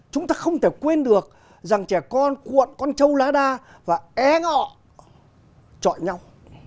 chúng ta không thể quên được rằng trẻ con cuộn con trâu lá đa và é ngọ trọi nhau